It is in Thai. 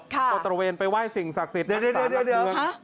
ค่ะจอดตรวเวนไปไหว้สิ่งศักดิ์สิทธิ์ตั้งศาสตร์กันเรื่องไหน